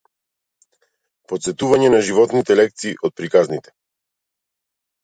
Потсетување на животните лекции од приказните